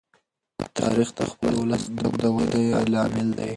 تاریخ د خپل ولس د وده لامل دی.